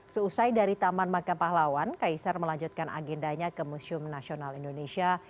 seusai dari taman makam pahlawan kaisar melanjutkan agendanya ke museum nasional indonesia